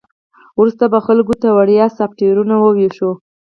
وروسته به خلکو ته وړیا سافټویرونه وویشو